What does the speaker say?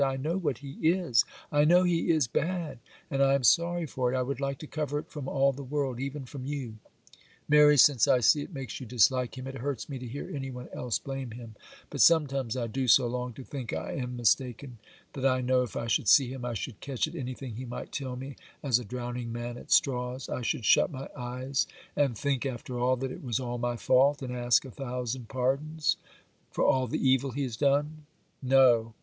I know what he is. I know he is bad, and I am sorry for it. I would like to cover it from all the world, even from you, Mary, since I see it makes you dislike him; it hurts me to hear any one else blame him; but sometimes I do so long to think I am mistaken, that I know if I should see him I should catch at anything he might tell me, as a drowning man at straws; I should shut my eyes and think after all that it was all my fault, and ask a thousand pardons for all the evil he has done. No.